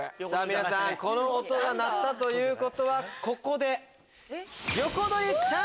皆さんこの音が鳴ったということはここで。